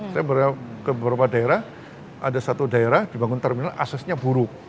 saya ke beberapa daerah ada satu daerah dibangun terminal aksesnya buruk